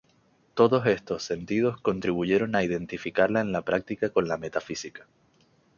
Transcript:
Todos estos sentidos contribuyeron a identificarla en la práctica con la metafísica.